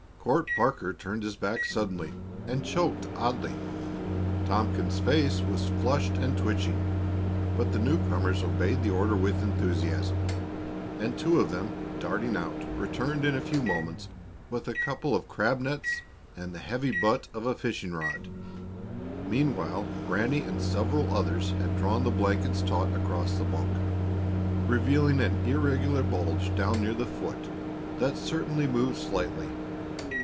Court Parker turned his back suddenly and choked oddly; Tompkins's face was flushed and twitching. But the new comers obeyed the order with enthusiasm, and two of them, darting out, returned in a few moments with a couple of crab nets and the heavy butt of a fishing rod. Meanwhile, Ranny and several others had drawn the blankets taut across the bunk, revealing an irregular bulge down near the foot that certainly moved slightly.